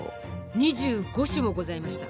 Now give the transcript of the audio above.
２５種もございました。